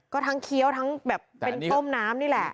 ก็ทั้งเคี้ยวทั้งแบบเป็นต้มน้ำนี่แหละ